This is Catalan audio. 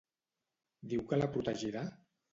Diu que la protegirà?